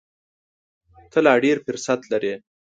ته لا ډېر فرصت لرې !